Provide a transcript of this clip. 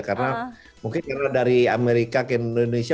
karena mungkin dari amerika ke indonesia